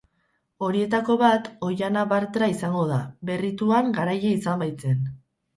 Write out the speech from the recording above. Horietako bat Oihana Bartra izango da, Berriatuan garaile izan baitzen.